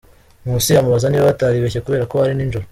Nkusi amubaza niba bataribeshye kubera ko hari nijoro.